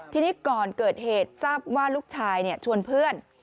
ทีนี้ก่อนเกิดเหตุทราบว่าลูกชายชวนเพื่อน